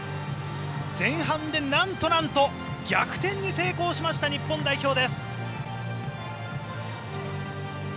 前半でなんとなんと逆転に成功しました日本代表です。